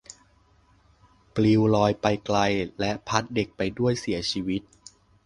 ปลิวลอยไปไกลและพัดเด็กไปด้วยเสียชีวิต